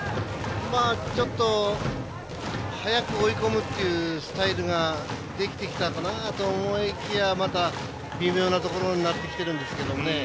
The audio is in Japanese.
早く追い込むっていうスタイルができてきたのかなと思いきやまた、微妙なところになってきているんですけどもね。